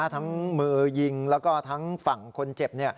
ทั้งมือยิงแล้วก็ทั้งฝั่งคนเจ็บ